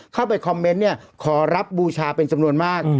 เข้าไปคอมเมนต์เนี่ยขอรับบูชาเป็นจำนวนมาก